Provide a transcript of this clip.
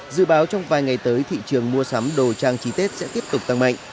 dự báo trong vài ngày tới thị trường mua sắm đồ trang trí tết sẽ tiếp tục tăng mạnh